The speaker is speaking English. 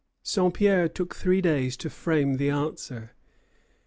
Saint Pierre took three days to frame the answer.